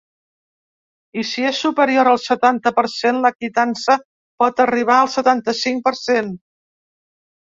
I, si és superior al setanta per cent, la quitança pot arribar al setanta-cinc per cent.